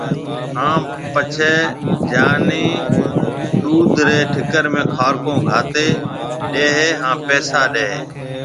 ھاڻ پڇيَ جانِي ڏُوڌ رَي ٺڪر ۾ کارڪون گھاتيَ ڏَي ھيََََ ھان پيسا ڏَي ھيََََ